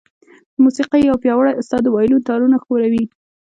د موسيقۍ يو پياوړی استاد د وايلون تارونه ښوروي.